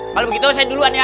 kalau begitu saya duluan ya